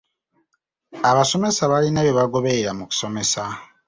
Abasomesa balina bye bagoberera mu kusomesa.